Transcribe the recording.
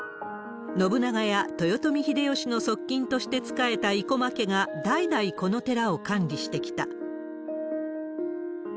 信長や豊臣秀吉の側近として仕えた生駒家が代々この寺を管理してきた。